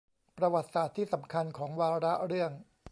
ประวัติศาสตร์ที่สำคัญของวาระเรื่อง